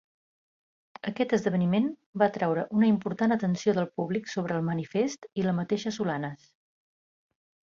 Aquest esdeveniment va atraure una important atenció del públic sobre el "Manifest" i la mateixa Solanas.